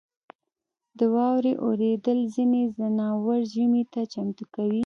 • د واورې اورېدل ځینې ځناور ژمي ته چمتو کوي.